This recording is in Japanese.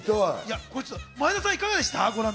前田さん、いかがですか？